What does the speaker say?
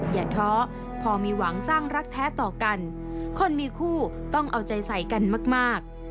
อย่าท้อพอมีหวังสร้างรักแท้ต่อกันคนมีคู่ต้องเอาใจใส่กันมาก